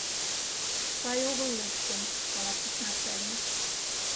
— Сай огыл лекте, — каласыш начальник.